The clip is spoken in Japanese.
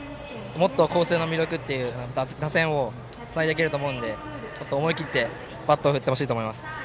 もっと光星の魅力を伝えられると思うのでもっと思い切ってバットを振ってほしいと思います。